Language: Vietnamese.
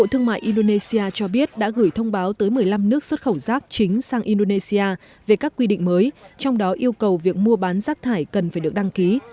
bộ thương mại indonesia cho biết đã gửi thông báo tới một mươi năm nước xuất khẩu rác chính sang indonesia về các quy định mới trong đó yêu cầu việc mua bán rác thải cần phải được đăng ký